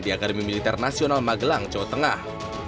di akademi militer nasional magelang jawa tengah